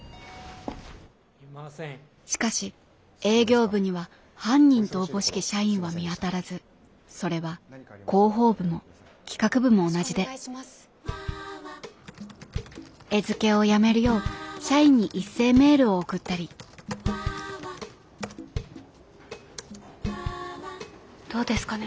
しかし営業部には犯人とおぼしき社員は見当たらずそれは広報部も企画部も同じで餌付けをやめるよう社員に一斉メールを送ったりどうですかね？